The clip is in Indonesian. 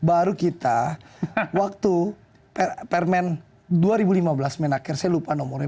baru kita waktu permen dua ribu lima belas menaker saya lupa nomornya